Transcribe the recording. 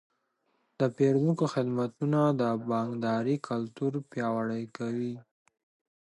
د پیرودونکو خدمتونه د بانکدارۍ کلتور پیاوړی کوي.